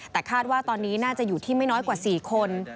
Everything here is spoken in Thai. แต่คาดว่าตอนนี้น่าจะอยู่ที่ไม่น้อยกว่า๔คน